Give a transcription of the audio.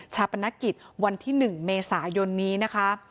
ปนกิจวันที่๑เมษายนนี้นะคะ